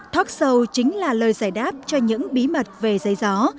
talk show chính là lời giải đáp cho những bí mật về giấy gió